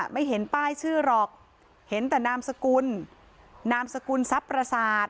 ไม่เห็นป้ายชื่อหรอกเห็นแต่นามสกุลนามสกุลทรัพย์ประสาท